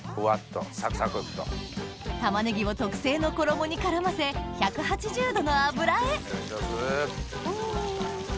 たまねぎを特製の衣に絡ませ１８０度の油へお。